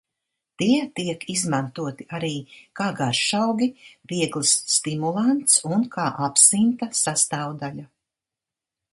Tie tiek izmantoti arī kā garšaugi, viegls stimulants un kā absinta sastāvdaļa.